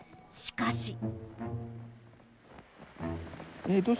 しかし。